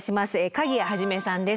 鍵屋一さんです。